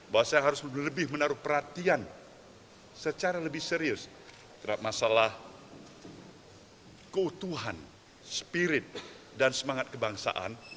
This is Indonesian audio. bahwa saya harus lebih menaruh perhatian secara lebih serius terhadap masalah keutuhan spirit dan semangat kebangsaan